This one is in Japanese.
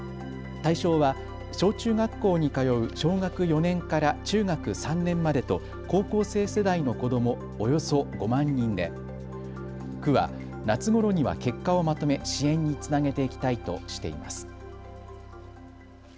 対象は小中学校に通う小学４年から中学３年までと高校生世代の子ども、およそ５万人で区は夏ごろには結果をまとめ支援につなげていきたいとしています。